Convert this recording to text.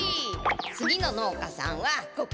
次の農家さんはここね。